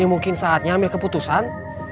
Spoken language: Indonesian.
mungkin saatnya ambil keputusan